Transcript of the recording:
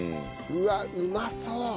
うわっうまそう。